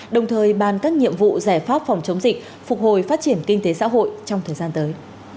đồng thời bàn các nhiệm vụ giải pháp phòng chống dịch phục hồi phát triển kinh tế xã hội trong thời gian tới